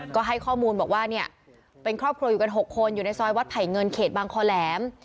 ก็ให้ข้อมูลบอกว่าเนี่ยเป็นครอบครัวอยู่กัน๖คนอยู่ในซอยวัดไผ่เงินเขตบางคอแหลม